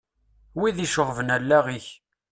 Wid iceɣben allaɣ-ik.